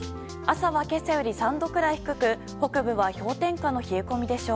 朝は今朝より３度くらい低く北部は氷点下の冷え込みでしょう。